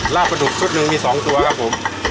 ประดุกชุดหนึ่งมี๒ตัวครับผม